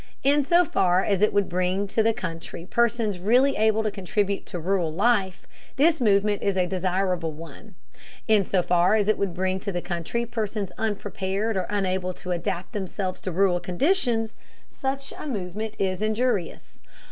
In so far as it would bring to the country persons really able to contribute to rural life, this movement is a desirable one. In so far as it would bring to the country persons unprepared or unable to adapt themselves to rural conditions, such a movement is injurious.